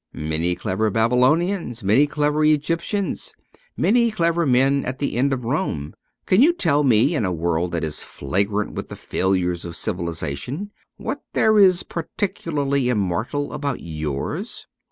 Many clever Babylonians, many clever Egyptians, many clever men at the end of Rome. Can you tell me, in a world that is flagrant with the failures of civilization, what there is particularly immortal about yours